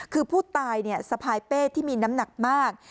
คือผู้ตายสะพายเป้ที่มีน้ำหนักมาก